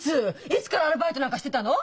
いつからアルバイトなんかしてたの？